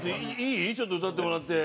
ちょっと歌ってもらって。